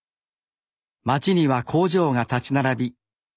街には工場が立ち並び